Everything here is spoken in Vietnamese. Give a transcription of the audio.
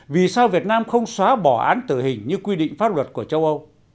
vì sao việt nam không xóa bỏ án tử hình như quy định pháp luật của châu âu